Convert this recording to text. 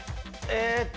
え？